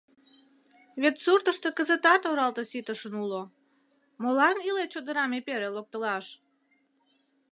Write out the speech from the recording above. Вет суртышто кызытат оралте ситышын уло; молан иле чодырам эпере локтылаш?